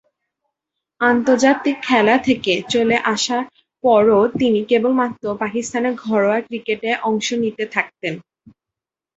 আন্তর্জাতিক খেলা থেকে চলে আসার পরও তিনি কেবলমাত্র পাকিস্তানের ঘরোয়া ক্রিকেটে অংশ নিতে থাকেন।